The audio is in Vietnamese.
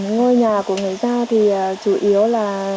ngôi nhà của người dao thì chủ yếu là